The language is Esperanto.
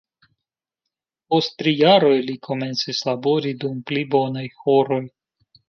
Post tri jaroj, li komencis labori dum pli bonaj horoj.